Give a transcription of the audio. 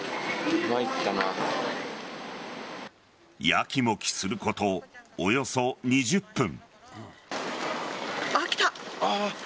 やきもきすることおよそ２０分。